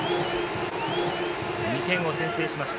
２点を先制しました。